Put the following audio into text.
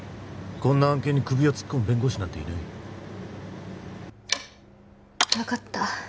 こんな案件に首を突っ込む弁護士なんていない分かった